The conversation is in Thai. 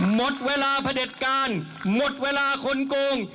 หมดเวลาพระเด็จการหมดเวลาคนโกง